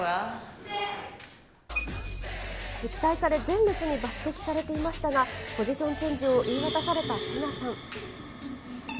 期待され前列に抜てきされていましたが、ポジションチェンジを言い渡されたセナさん。